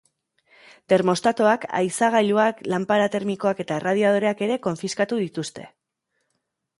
Termostatoak, haizagailuak, lanpara termikoak eta erradiadoreak ere konfiskatu dituzte.